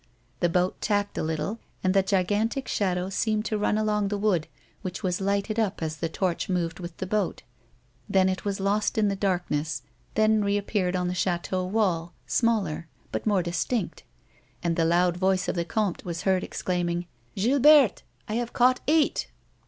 The boat tacked a little, and t:ie gigantic shadow seemed to run along the wood, which was lighted up as the torch moved with the boat ; then it was lost in the darkness, then A WOMAN'S LIFE. 139 reappeared on the chateau wall, smaller, but more distinct ; and the loud voice of the comte was heard exclaiming :" Gilberte, I have caught eight